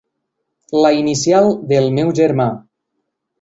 La inicial del meu germà.